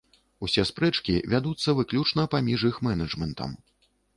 Усе спрэчкі вядуцца выключна паміж іх менэджмэнтам.